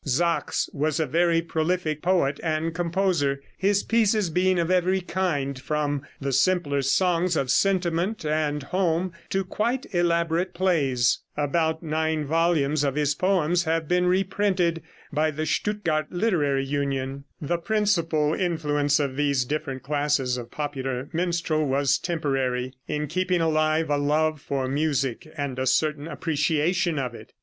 Sachs was a very prolific poet and composer, his pieces being of every kind, from the simpler songs of sentiment and home to quite elaborate plays. About nine volumes of his poems have been reprinted by the Stuttgart Literary Union. [Illustration: Fig. 28. MINSTREL HARPS OF THE THIRTEENTH CENTURY.] The principal influence of these different classes of popular minstrel was temporary, in keeping alive a love for music and a certain appreciation of it.